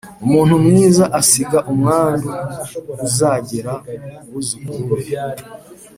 umuntu mwiza asiga umwandu uzagera ku buzukuru be